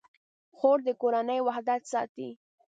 خور د کورنۍ وحدت ساتي.